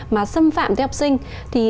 mà xâm phạm theo học sinh thì